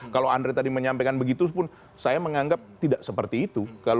kalau andre tadi menyampaikan begitu pun saya menganggap tidak seperti itu